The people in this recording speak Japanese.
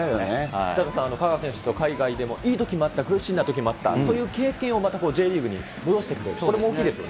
北澤さん、香川選手、海外でもいいときもあった、苦しんだときもあった、そういう経験をまたこう、Ｊリーグに戻してくれる、それも大きいですよね。